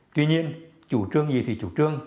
tuy nhiên chủ trương gì thì chủ trương